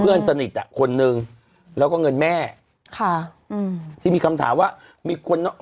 เพื่อนสนิทอ่ะคนนึงแล้วก็เงินแม่ค่ะอืมที่มีคำถามว่ามีคน